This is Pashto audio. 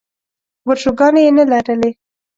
ورشوګانې یې نه لرلې.